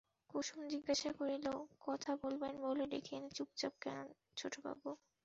কুসুম জিজ্ঞাসা করিল, কথা বলবেন বলে ডেকে এনে চুপচাপ কেন ছোটবাবু?